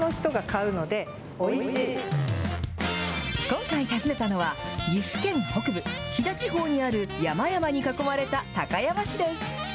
今回訪ねたのは、岐阜県北部、飛騨地方にある山々に囲まれた高山市です。